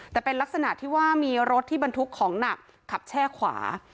แต่เป็นลักษณะที่ว่ามีรถที่บรรทุกของหนักขับแช่ขวา